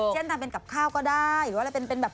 เช่นทำเป็นกับข้าวก็ได้หรือว่าอะไรเป็นแบบ